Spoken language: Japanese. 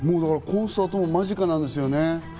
コンサートも間近なんですよ